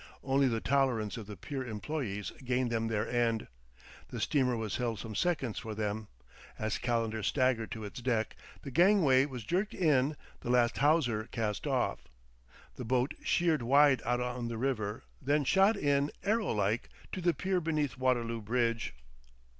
Only the tolerance of the pier employees gained them their end; the steamer was held some seconds for them; as Calendar staggered to its deck, the gangway was jerked in, the last hawser cast off. The boat sheered wide out on the river, then shot in, arrow like, to the pier beneath Waterloo Bridge.